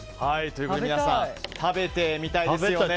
皆さん、食べてみたいですよね。